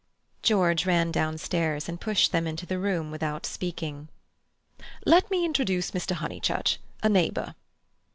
George ran down stairs and pushed them into the room without speaking. "Let me introduce Mr. Honeychurch, a neighbour."